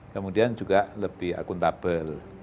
kemudian juga lebih akuntabel